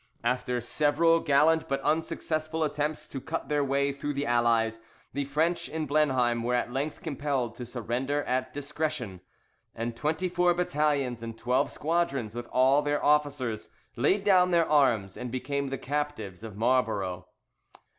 After several gallant but unsuccessful attempts to cut their way through the Allies, the French in Blenheim were at length compelled to surrender at discretion; and twenty four battalions, and twelve squadrons, with all their officers, laid down their arms, and became the captives of Marlborough.